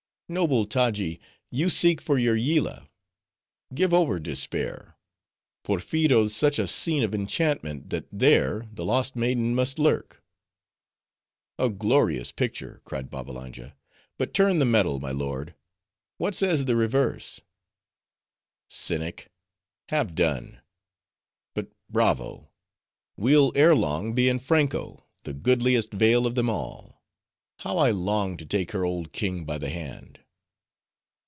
"Noble Taji! you seek for your Yillah;—give over despair! Porpheero's such a scene of enchantment, that there, the lost maiden must lurk." "A glorious picture!" cried Babbalanja, but turn the medal, my lord;— what says the reverse?" "Cynic! have done.—But bravo! we'll ere long be in Franko, the goodliest vale of them all; how I long to take her old king by the hand!"